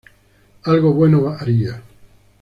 Algo bueno haría.